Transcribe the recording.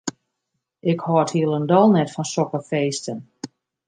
Ik hâld hielendal net fan sokke feesten.